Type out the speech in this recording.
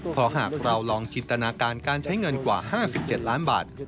เพราะหากเราลองจินตนาการการใช้เงินกว่า๕๗ล้านบาท